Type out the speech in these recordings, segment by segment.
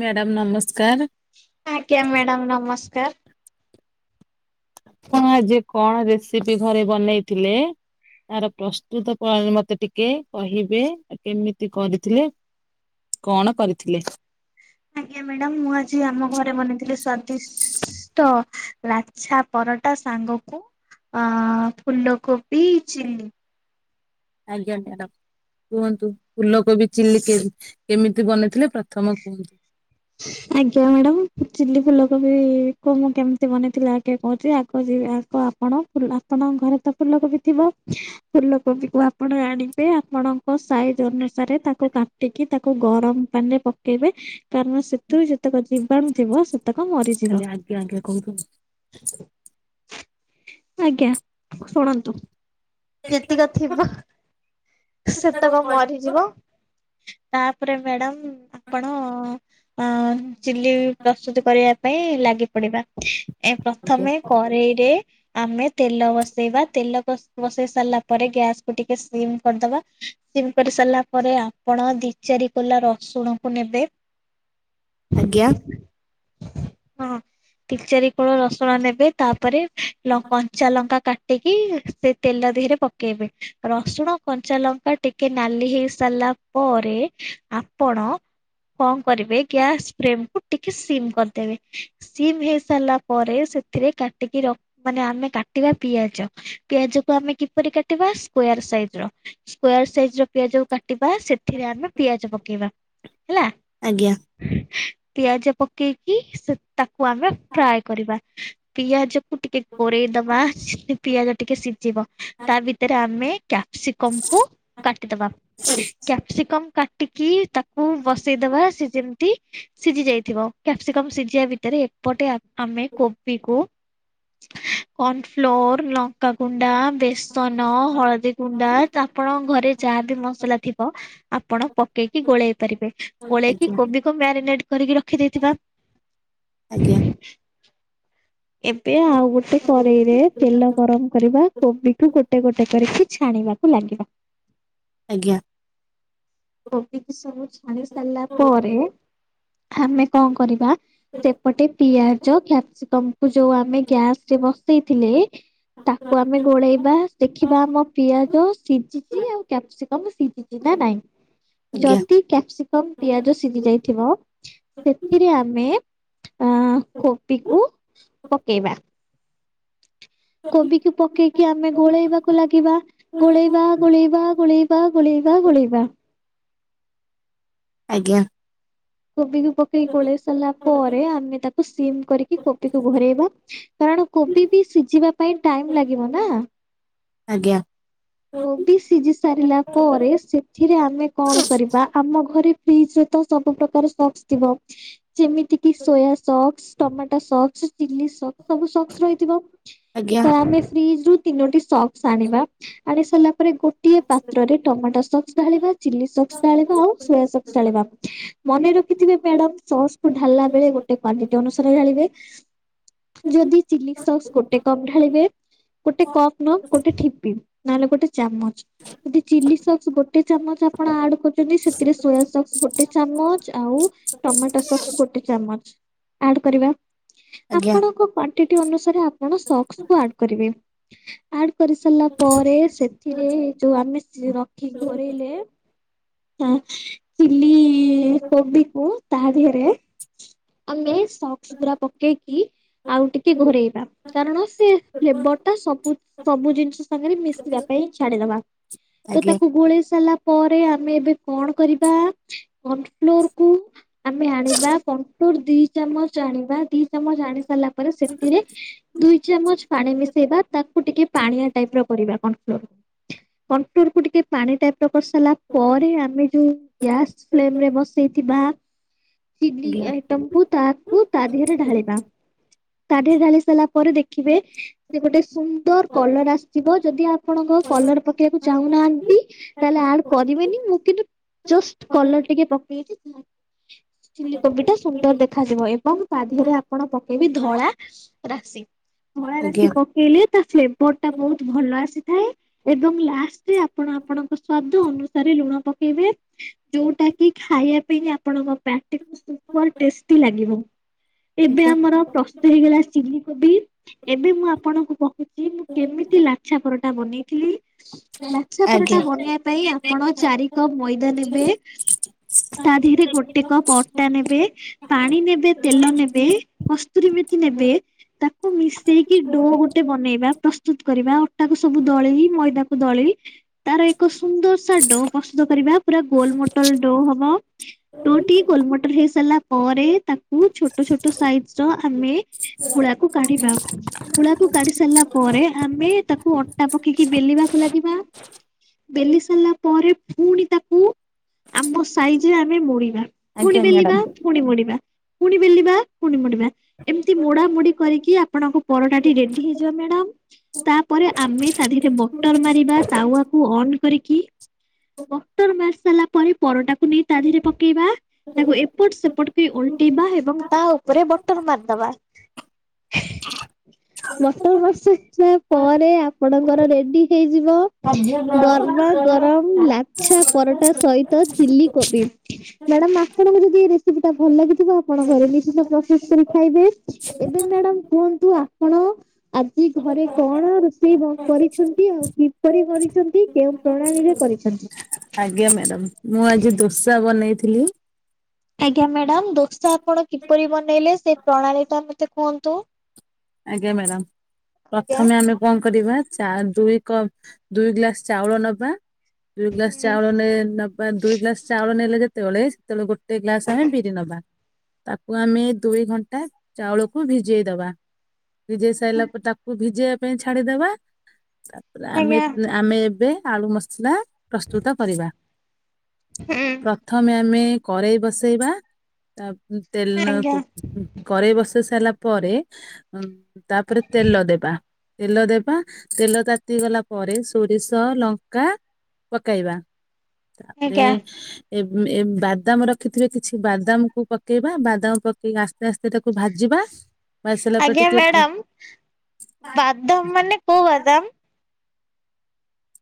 Madam ନମସ୍କାର। ଆଜ୍ଞା madam ନମସ୍କାର। ଆପଣ ଆଜି କଣ ରେସିପି ଘରେ ବନେଇଥିଲେ? ତାର ପ୍ରସ୍ତୁତ ପ୍ରଣାଳୀ ମତେ ଟିକେ କହିବେ କେମିତି କରିଥିଲେ। କଣ କରିଥିଲେ। ଆଜ୍ଞା ମ୍ୟାଡାମ ମୁଁ ଆଜି ଆମ ଘରେ ବନେଇଥିଲି ସ୍ଵାଦିଷ୍ [inaudible] ଲାଛା ପରଟା ସାଙ୍ଗକୁ ଆଁ ଫୁଲକୋବି ଚିଲ୍ଲି। ଆଜ୍ଞା ମ୍ୟାଡ଼ାମ କୁହନ୍ତୁ। ଫୁଲକୋବି ଚିଲ୍ଲି କେ କେମିତି ବନେଇଥିଲେ ପ୍ରଥମ କୁହନ୍ତୁ। ଆଜ୍ଞା ମ୍ୟାଡାମ ଚିଲି ଫୁଲକୋବି କୁ ମୁଁ କେମିତି ବନେଇଥିଲି ଆଗେ କହୁଛି ଆଗ [unintelligible] ଆପଣଙ୍କ ଘରେ ତ ଫୁଲ କୋବି ଥିବ। ଫୁଲକୋବି କୁ ଆପଣ ଆଣିବେ ଆପଣଙ୍କ ସାଇଜ ଅନୁସାରେ ତାକୁ କା କାଟିକି ତାକୁ ଗରମ ପାଣି ରେ ପକେଇବେ କାରଣ ସେଥିରୁ ଯେତେକ ଜୀବାଣୁ ଥିବ ସେ ସେତକ ମରିଯିବ। ଖାଲି ଆଜ୍ଞା ଆଜ୍ଞା କହୁଛନ୍ତି। ଆଜ୍ଞା ଶୁଣନ୍ତୁ ଯେତିକ ଥିବ ସେତକ ମରିଯିବ ତାପରେ ମ୍ୟାଡାମ ଆପଣ ଅ ଚିଲି ପ୍ରସ୍ତୁତ କରିବା ପାଇଁ ଲାଗି ପଡିବା। ଏ ପ୍ରଥମେ କରେଇରେ ଆମେ ତେଲ ବସେଇବା ତେଲ ବସ ବସେଇ ସାରିଲା ପରେ ଗ୍ୟାସକୁୁ ଟିକେ ସିମ୍ କରିଦବା। [unintelligible] କରି ସାରିଲା ପରେ ଆପଣ ଦି-ଚାରି କୋଲା ରସୁଣ କୁ ନେବେ। ଆଜ୍ଞା? ହଁ। ଦି-ଚାରି କୋଲା ରସୁଣ ନେବେ ତାପରେ ଲ କଞ୍ଚା ଲଙ୍କା କାଟିକି ସେ ତେଲ ଦେହେରେ ପକେଇବେ। ରସୁଣ, କଞ୍ଚା ଲଙ୍କା ଟିକେ ନାଲି ହେଇ ସାରିଲା ପରେ ଆପଣ କଣ କରିବେ ଗ୍ୟାସ୍ ଫ୍ରେମ୍ କୁୁ ଟିକେ ସିମ କରିଦେବେ। ସିମ୍ ହେଇ ସାରିଲା ପରେ ସେଥିରେ କାଟିକି ରଖ ମାନେ ଆମେ କାଟିବା ପିଆଜ। ପିଆଜକୁ ଆମେ କିପରି କାଟିବା ସ୍କ୍ୱୟାର ସାଇଜ ର। ସ୍କ୍ୱୟାର ସାଇଜ ର ପିଆଜକୁ କାଟିବା, ସେଥିରେ ଆମେ ପିଆଜ ପକେଇବା। ହେଲା? ଆଜ୍ଞା। ପିଆଜ ପକେଇକି ସେ ତାକୁ ଆମେ ଫ୍ରାଏ କରିବା ପିଆଜ କୁ ଟିକେ କୋରେଇ ଦବା ପିଆଜ ଟିକେ ସିଝିବ ତା ଭିତରେ ଆମେ କ୍ୟା କ୍ୟାପିସିକମ କୁ କାଟିଦବା କ୍ୟାପସିକମ କାଟିକି ତାକୁ ବ ବସେଇଦବା ସେ ଯେମ ତୀ ସିଝି ଯାଇଥିବ କ୍ୟାପସିକମ ସିଝିବା ଭିତରେ ଏପଟେ ଆ ଆମେ କୋବିକୁ। କନଫ୍ଲୋର ଲଙ୍କାଗୁଣ୍ଡା ବେସନ ହଳଦୀ ଗୁଣ୍ଡା ତା ଆପଣଙ୍କ ଘରେ ଯାହାବି ମସଲା ଥିବ ଆପଣ ପକେଇକି ଗୋଳେଇ ପାରିବେ ଗୋଳେଇକି ଆଜ୍ଞା। କୋବିକୁ ମ୍ୟାରିନେଟ କରିକି ରଖି ଦେଇଥିବା। ଆଜ୍ଞା। ଏବେ ଆଉ ଗୋଟେ କରେଇରେ ଆଜ୍ଞା। ତେଲ ଗରମ କରିବା କୋବିକୁୁ ଗୋଟେ ଗୋଟେ କରିକି ଛାଣିବା କୁ ଲାଗିବା ଆଜ୍ଞା। କୋବି କୁ ସବୁ ଛାଣି ସାରିଲା ପରେ। ଆମେ କଣ କରିବା ସେପଟେ ପିଆଜ କ୍ୟାପ୍ସିକମ୍ କୁ ଯୋଉ ଆମେ ଗ୍ୟାସ ରେ ବସେଇଥିଲେ ତାକୁ ଆମେ ଗୋଳେଇବା। ଦେଖିବା ଆମ ପିଆଜ ସିଝିଛି ଆଉ କ୍ୟାପସିକମ୍ ସିଝିଛି ନା ନାଇଁ। ଆଜ୍ଞା। ଯଦି କ୍ୟାପସିକମ ପିଆଜ ସିଝି ଯାଇଥିବ ସେଥିରେ ଆମେ। ଅ କୋବି କୁ ପକେଇବା। କୋବିକୁ ପକେଇକି ଆମେ ଗୋଳେଇବାକୁ ଲାଗିବା। ଗୋଳେଇବା ଗୋଳେଇବା ଗୋଳେଇବା ଗୋଳେଇବା ଗୋଳେଇବା। ଆଜ୍ଞା। କୋବିକୁ ପକେଇ ଗୋଳେଇ ସାରିଲା ପରେ ଆମେ ତାକୁ ସିମ କରିକି କୋବିକୁ ଘୋରେଇବା। କାରଣ କୋବି ବି ସିଝିବା ପାଇଁ ଟାଇମ ଲାଗିବ ନା। ଆଜ୍ଞା। କୋବି ସିଝି ସାରିଲା ପରେ ସେଥିରେ ଆମେ କଣ କରିବା ଆମ ଘରେ ଫ୍ରିଜ ରେ ତ ସବୁ ପ୍ରକାର ସକ୍ସ ଥିବ ହ ଯେମିତି କି ସୋୟା ସକସ୍ ଟମାଟୋ ସକସ୍ ଚିଲ୍ଲି ସ ସବୁ ସକ୍ସ ରହିଥିବ ତ ଆମେ ଫ୍ରିଜ ରୁ ତିନୋଟି ସକ୍ସ ଆଣିବା। ଆଣି ସାରିଲା ପରେ ଗୋଟିଏ ପାତ୍ରରେ ଟମାଟୋ ସକସ୍ ଢାଳିବା ଚିଲି ସକସ୍ ଢାଳିବା ଆଉ ସୋୟା ସକସ୍ ଢାଳିବା। ମନେ ରଖିଥିବେ ମ୍ୟାଡମ୍ ସସ୍ କୁ ଢାଳିଲା ବେଳେ ଗୋଟେ କ୍ୱାଲିଟୀ ଅନୁସାରେ ଢାଳିବେ। ଯଦି ଚିଲ୍ଲି ସକସ୍ ଗୋଟେ କପ ଢାଳିବେ ଗୋଟେ କପ୍ ନୁହ ଗୋଟେ ଠିପି। ନହେଲେ ଗୋଟେ ଚାମଚ ଯିଦି ଚିଲି ସକସ୍ ଗୋଟେ ଚାମଚ ଆ ଆପଣ ଆଡ କରୁଛନ୍ତି ସେଥିରେ ସୋୟା ସକ୍ସ ଗୋଟେ ଚାମ ଚ ଆଉ ଟମାଟୋ ସକସ୍ ଗୋଟେ ଚାମଚ୍ ଆଡ କରିବା ଆପଣଙ୍କ କ୍ୱା କ୍ୱାଣ୍ଟିଟି ଅନୁସାରେ ଆପଣ ସକସ୍ କୁ ଆଡ୍ କରିବେ ଆଡ଼ କରି ସାରିଲା ପରେ ସେଥିରେ ଯୋଉ ଆମେ ସ ରଖି ଘୋରେଇଲେ ଆଁ ଚିଲି କି କୋବିକୁ ତା ଦେହରେ ଆମେ ସକ୍ସ ପୁରା ପକେଇକି ଆଉ ଟିକେ ଘୋରେଇବା କାରଣ ସେ ଫ୍ଲେବର ଟା ସବୁ ସବୁ ଜିନିଷ ସାଙ୍ଗରେ ମିଶିବା ପାଇଁ ଛାଡିଦବା ତ ତାକୁ ଗୋଳେଇ ସାରିଲା ପରେ ଆମେ ଏବେ କଣ କରିବା କନଫ୍ଲୋରକୁୁ ଆମେ ଆଣିବା କନ୍ ଫ୍ଲୋର୍ ଦି ଚାମଚ ଆଣିବା ଦି ଚାମଚ ଆଣି ସାରିଲା ପରେ ସେଥିରେ ଦୁଇ ଚାମଚ ଆଜ୍ଞା। ପାଣି ମିଶେଇବା ତାକୁ ଟିକେ ପାଣିଆ ଟାଇପ ର କରିବା କର୍ଣ୍ଣ ଫ୍ଲୋର। କନଟୋର କୁ ଟିକେ ପାଣି ଟାଇପ ଟ କରି ସାରିଲା ପରେ ଆମେ ଯୋଉ ଗ୍ୟାସ ଆଜ୍ଞା। ଫ୍ଲେମରେ ବସେଇଥିବା ଆଜ୍ଞା [unintelligible] ତମକୁ ତା ତାକୁ ତା ଦିହରେ ଢାଳିବା ତା ଦେହରେ ଢାଳି ସାରିଲା ପରେ ଦେଖିବେ ସେ ଗୋଟେ ସୁନ୍ଦର କଲର ଆସିଥିବ ଯଦି ଆପଣଙ୍କ ଆଜ୍ଞା କଲର ପକେଇବାକୁ ଚାହୁଁନାହାନ୍ତି। ତାହଲେ ଆଡ କରିବେନି ମୁଁ କିନ୍ତୁ ଜଷ୍ଟ କଲର ଟିକେ ପକେଇଛି। ଚିଲ କୋବି ଟା ସୁନ୍ଦର ଦେଖାଯିବ ଏବଂ ତା ଦିହରେ ଆପଣ ପକେଇବେ ଧଳା ରାଶି ଧଳା ରାଶି ପକେଇଲେ ତା ଫ୍ଲେବର ଟା ବହୁତ ଭଲ ଆସିଥାଏ। ଏବଂ ଲାଷ୍ଟରେ ଆପଣ ଆପଣଙ୍କ ସ୍ଵାଦ ଅନୁସାରେ ଲୁଣ ପକେଇବେ। ଯୋଉଟା କି ଖାଇବା ପାଇଁ ଆପଣଙ୍କ ପାଟିକୁ [unintelligible] ଟେଷ୍ଟି ଲାଗିବ ଏବେ ଆମର ପ୍ରସ୍ତ ହେଇଗଲା ଚିଲି କୋବି ଏବେ ମୁଁ ଆପଣଙ୍କୁ କହୁ କି ମୁଁ କେମିତି ଲାଛା ପରଟା ବନେଇଥିଲି ଲାଛା ପରଟା ଆଜ୍ଞା ବନେଇବା ପାଇଁ ଆପଣ ଚାରି କପ ମଇଦା ନେବେ ତା ଦିହରେ ଗୋଟେ କପ୍ ଅଟା ନେବେ। ପାଣି ନେବେ ତେଲ ନେବେ କସ୍ତୁରୀ ମେଥୀ ନେବେ। ତାକୁ ମିଶେଇକି ଡୋ ଗୋଟେ ବନେଇବା ପ୍ରସ୍ତୁତ କରିବା ଅଟାକୁ ସବୁ ଦଳେଇ ମଇଦା କୁ ଦଳି ତାର ଏକ ସୁନ୍ଦର ସା ଡୋ ପ୍ରସ୍ତୁତ କରିବା ପୁରା ଗୋଲ ମୋ ମୋଟଲ ଡୋ ହବ ଡୋ ଟି ଗୋଲମଟର ହେଇ ସାରିଲା ପରେ ତାକୁ ଛୋଟ ଛୋଟ ସାଇଜ ର ଆମେ ଗୁଳାକୁ କାଢିବା। ଗୁଳାକୁ କାଢି ସାରିଲା ପରେ ଆମେ ତାକୁ ଅଟା ପକେଇକି ବେଲିବାକୁ ଲାଗିବା। ବେଲି ସାରିଲା ପରେ ପୁଣି ତାକୁ ଆମ ସାଇଜରେ ଆମେ ମୋଡ଼ିବା ପୁଣି ଆଜ୍ଞା ବେଲିବା। ମ୍ୟାଡ଼ାମ। ପୁଣି ମୋଡିବା ପୁଣି ବେଲିବା ପୁଣି ମୋଡିବା। ଏମିତି ମୋଡା ମୋଡି କରିକି ଆପଣଙ୍କ ପରଟା ଟି ରେଡି ହେଇଯିବ ମ୍ୟାଡାମ। ତାପରେ ଆମେ ତା ଦିହରେ ବଟର ମାରିବା ତାୱାକୁ ଅନ୍ କରିକି ବଟର ମାରି ସାରିଲା ପରେ ପରଟାକୁ ନେଇ ତା ଦିହରେ ପକେଇବା। ତାକୁ ଏପଟ ସେପଟ କି ଉଲଟେଇବା ଏବଂ ତା ଉପରେ ବଟର ମାରିଦବା। ହିଁ ବଟର କିଛି ସମୟ ପରେ ଆ ଆପଣଙ୍କର ରେଡି ହେଇଯିବ ଆଜ୍ଞା ଗରମା ଗରମ ଲାଛା ପରଟା ସହିତ ଚିଲିକୋବି। ମ୍ୟାଡାମ ଆପଣଙ୍କୁ ଯଦି ଏଇ ରେସିପି ଟା ଭଲ ଲାଗୁଥିବ ଆପଣ ଘରେ ନିଶ୍ଚିତ ପ୍ରସ୍ତୁ ଜୁସ କରିକି ଖାଇବେ ଏବେ ମ୍ୟାଡ଼ାମ କୁହନ୍ତୁ ଆପଣ ଆଜି ଘରେ କଣ ରୋଷେଇ କ କରିଛନ୍ତି ଆଉ କିପରି କରିଛନ୍ତି କେଉଁ ପ୍ରଣାଳୀରେ କରିଛନ୍ତି। ଆଜ୍ଞା ମ୍ୟାଡାମ ମୁଁ ଆଜି ଦୋସା ବନେଇଥିଲି। ଆଜ୍ଞା ମ୍ୟାଡ଼ାାମ ଦୋସା ଆପଣ କିପରି ବନେଇଲେ ସେ ପ୍ରଣାଳୀ ମତେ କୁହନ୍ତୁ? ଆଜ୍ଞା ମ୍ୟାଡ଼ାମ ଆଜ୍ଞା। ପ୍ରଥମେ ଆମେ କଣ କରିବା ଚା ଦୁଇ କପ ଦୁଇ ଗ୍ଲାସ ଚାଉଳ ନବା। ଦୁଇ ଗ୍ଲାସ ହୁଁ। ଚାଉଳ ନେ ନବା ଦୁଇ ଗ୍ଲାସ ଚାଉଳ ନେଲେ ଯେତେବେଳେ ସେତେବେଳେ ଗୋ ଗୋଟେ ଗ୍ଲାସ ଆମେ ବିରି ନବା ତାକୁ ଆମେ ଦୁଇ ଘଣ୍ଟା ଚାଉଳକୁ ଭିଜେଇଦବା। ଭିଜେଇ ସାରିଲା ପରେ ତାକୁ ଭିଜେଇବା ପାଇଁ ଛାଡିଦବା ତାପରେ ଆମେ ଆଜ୍ଞା ଆମେ ଏବେ ଆଳୁ ମସଲା ପ୍ରସ୍ତୁତ କରିବା। ପ୍ରଥମେ ଆମେ କରେଇ ବସେଇବା। ତା ଉଁ, ତେଲ ଆଜ୍ଞା ଉଁ, କରେଇ ବସେଇ ସାରିଲା ପରେ ହଁ ତାପରେ ତେଲ ଦେବା। ତେଲ ଦେବା, ତେଲ ତାତି ଗଲା ପରେ ସୋରିଷ ଲଙ୍କା ପକେଇବା। ତାପରେ ଆଜ୍ଞା ଏ, ଉଁ, ଏ ବାଦାମ ରଖିଥିବେ କିଛି ବାଦାମ କୁ ପକେଇବା। ବାଦାମ ପ କେଇ ଆସ୍ତେ ଆସ୍ତେ ତାକୁ ଭାଜିବା। ଭାଜି ସାରିଲା ପରେ ଆଜ୍ଞା ଟିକେ ମ୍ୟାଡ଼ାମ୍ ବାଦାମ ମାନେ କୋଉ ବାଦାମ?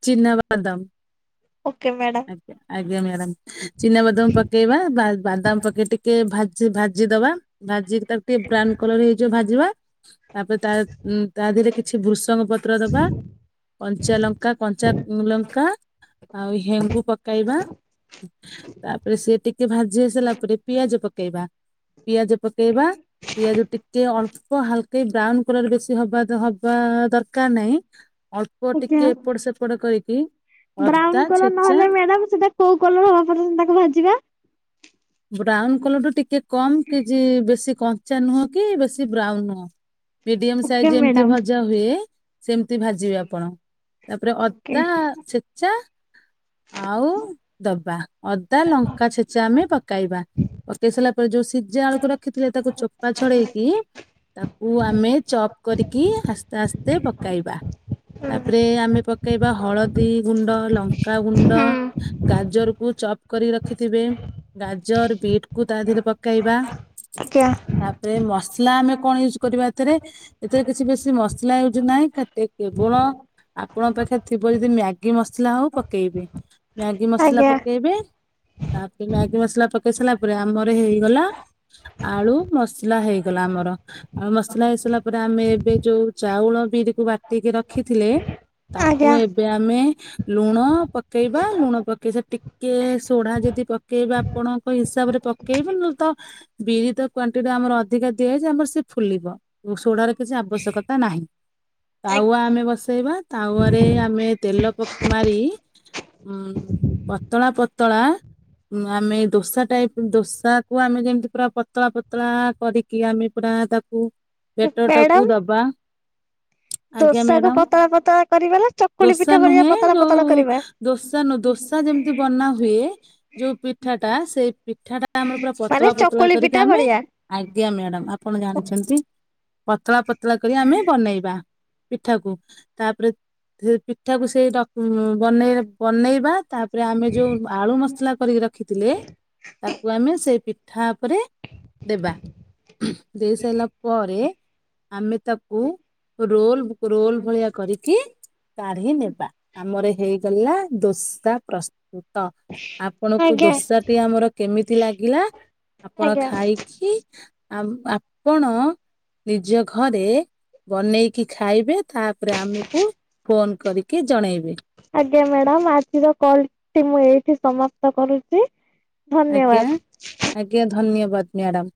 ଚିନାବାଦାମ। Okay madam. ଆଜ୍ଞା, ଆଜ୍ଞା ମ୍ୟାଡ଼ାମ୍, ଚିନାବାଦାମ ପକେଇବା ବା-ବାଦାମ ପକେଇ ଟିକେ ଭାଜ ସେ ଭାଜି ଦବା ଭାଜିିକି ତାକୁ ଟିକେ ବ୍ରାଉନ୍ କଲର୍ ହେଇଯିବ ଭାଜିବା। ତାପରେ ତା ଉଁ, ତା ଦେହରେ କିଛି ଭ୍ରୁସଙ୍ଗ ପତ୍ର ଦବା କଞ୍ଚା ଲଙ୍କ ଙ୍କା କଞ୍ଚା ଲଙ୍କା ଆଉ ହେଙ୍ଗୁ ପକାଇବା। ତାପରେ ସିଏ ଟିକେ ଭାଜି ଆସିଲା ପରେ ପିଆଜ ପକେଇବା। ପିଆଜ ପକେଇବା ପିଆଜ ଟିକେ ଅଳ୍ପ ହାଲ କେ ବ୍ରାଉନ୍ କଲର୍ ବେଶୀ ହେବା ତ ହବା ଦରକାର ନାହିଁ। ଅଳ୍ପ ଟି ପଡ ସେପଟ କରିକି ବ୍ରାଉନ୍ ଅଦା କଲର୍ ଛେଚା ନହେଲେ ମ୍ୟାଡାମ୍ ସେଟା କୋଉ କଲର୍ ହବା ପର୍ଯ୍ୟନ୍ତ ତାକୁ ଭାଜିବା? ବ୍ରାଉନ୍ କଲର୍ ଠୁ ଟିକେ କମ କି ଯି ବେଶୀ କଞ୍ଚା ନୁହଁ କି ବେଶୀ ବ୍ରାଉନ୍ ନୁହଁ। ମିଡିୟମ ସାଇଜ ଓକେ ଯେମିତି ମ୍ୟାଡ଼ାମ ଭଜା ହୁଏ ସେମତି ଭାଜିବେ ଆପଣ। ତାପରେ ଓକେ। ଅଦା ଛେ ଚା, ଆଉ ଦବା ଅଦା ଲଙ୍କା ଛେଚା ଆମେ ପ କାଇବା ପକେଇ ସାରିଲା ପରେ ଯୋଉ ସିଜା ଆଳକୁ ରଖିଥିଲେ ତାକୁ ଚୋପା ଛଡେଇକି ତା ଉ ଆମେ ଚପ୍ କରିକି ଆସ୍ତେ ଆସ୍ତେ ପକାଇବା। ତାପରେ ଆମେ ପକେଇବା ହଳଦୀ ଗୁଣ୍ଡ, ଲଙ୍କ କା ଗୁଣ୍ଡ ଗାଜରକୁୁ ଚପ୍ କରିକି ରଖିଥିବେ ଗାଜର ବିଟ୍ କୁ ତା ଦେହରେ ପକେଇବା। ଆଜ୍ଞା ତାପରେ ମସଲା ଆମେ କଣ ୟୁଜ୍ କରିବା ଏଥିରେ ଏଥିରେ କିଛି ବେଶୀ ମସଲା ୟୁଜ୍ ନାହିଁ। ଖା ଟିକେ ଲୁଣ ଆପଣଙ୍କ ପାଖରେ ଥିବ ଯଦି ମ୍ୟାଗି ମସଲା ହଉ ପକେଇବି। ମ୍ୟାଗି ମସଲା ଆଜ୍ଞା ପକେଇବେ। ତା ଏଇ ମ୍ୟାଗି ମସଲା ପକେଇ ସାରିଲା ପରେ ଆମର ହେଇଗଲା ଆଳୁ ମସଲା ହେଇଗଲା ଆମର। ଆଉ ମସଲା ହେଇସାଇଲା ପରେ ଆମେ ଏବେ ଯୋଉ ଚାଉଳ ବିରିକୁ ବାଟିକି ରଖିଥିଲେ। ତାକୁ ଆଜ୍ଞା ଏବେ ଆମେ ଲୁଣ ପକେଇବା, ଲୁଣ ପକେଇ ସେ ଟି କି ସୁଢା ଯଦି ପକେଇବେ ଆପଣଙ୍କ ହିସାବରେ ପକେଇବେ ନହେଲେ ତ ବିରି ତ କ୍ୱାଣ୍ଟିଟି ଆମର ଅଧିକା ଦିଆହେଇଚି ଆମର ସିଏ ଫୁଲିବ। ଓ ସୁଡାର କିଛି ଆବଶ୍ୟକତା ନାହିଁ। ଆଜ୍ଞା ତାୱା ଆମେ ବସେଇବା, ତାୱାରେ ଆମେ ତେଲ ପକ ମାରି ଉଁ, ପତଳା ପତଳା ଆମେ ଦୋସା ଟାଇପ୍ ଦୋସା କୁ ଆମେ ଯେମିତି ପୁରା ପତଳା ପତଳା କରି କି ଆମେ ପୁରା ତାକୁ ବେଟର୍ ଟାକୁ ମ୍ୟାଡ଼ାମ ଦବା। ଆଜ୍ଞା ଦୋସାକୁ ମ୍ୟାଡ଼ାମ୍ ପତଳା ପତଳା କରିବା ନା ଚକୁଳି ଦୋସା ପିଠା ଭଳିଆ ନୁହେଁ ପତଳା ପତଳା ଯୋଉ କରିବା? ଦୋସା ନ ଦୋସ ତା ଯେମତି ବନା ହୁଏ ଯୋଉ ପିଠା ଟା ସେଇ ପିଠା ଟା ଆମର ପୁରା ମାନେ ପତଳା ପତଳା ଚକୁଳି କରିକି ପିଠା ଆମେ ଭଳିଆ ଆଜ୍ଞା ମ୍ୟାଡ଼ମ୍ ଆପଣ ଜଣିଛନ୍ ତି ପତଳା ପତଳା କରି ଆମେ ବନେଇବା ପିଠାକୁ। ତାପରେ ସେ ପିଠାକୁ ସେ ଟକ୍ ଉଁ, ବନେଇ ବନେଇବା ତାପରେ ଆମେ ଯୋଉ ଆଳୁ ମସ୍ ସଲା କରିକି ରଖିଥିଲେ। ତାକୁ ଆମେ ସେଇ ପିଠା ଉପରେ ଦେବା। ଦେଇ ସାଇଲା ପରେ ଆମେ ତାକୁ ରୋଲ୍ ବୁ -ରୋଲ ଭଳିଆ କରିକି କାଢି ନେବା। ଆମର ହେଇଗଲା ଦୋସା ପ୍ରସ୍ତୁତ। ଆପଣଙ୍କୁ ଆଜ୍ଞା ଦୋସାଟି ଆମର କେମିତି ଲାଗିଲା ଆପଣ ଆଜ୍ଞା। ଖାଇକି। ଆଉ ଆପଣ ନିଜ ଘରେ। ବନେଇକି ଖାଇବେ ତାପରେ ଆମକୁ ଫୋନ କରିକି ଜଣେଇବେ। ଆଜ୍ଞା ମ୍ୟାଡାମ ଆଜିର କଲଟି ମୁଁ ଏଇଠି ସମାପ୍ତ କରୁଛି। ଆଜ୍ଞା ଧନ୍ୟବାଦ। ଆଜ୍ଞା ଧନ୍ୟବାଦ ମ୍ୟାଡ଼ାମ।